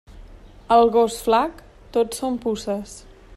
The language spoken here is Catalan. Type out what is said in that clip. Al gos flac tot són puces.